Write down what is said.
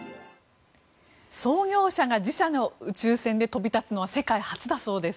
創業者が自社の宇宙船で飛び立つのは世界初だそうです。